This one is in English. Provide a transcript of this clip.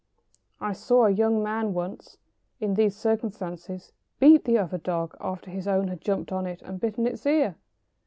I saw a young man once, in these circumstances, beat the other dog, after his own had jumped on it and bitten its ear!